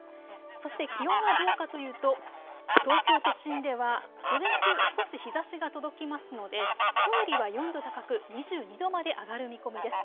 そして気温はどうかというと東京都心では午前中少し日ざしが届きますので、きょうよりは４度高く２２度まで上がる見込みです。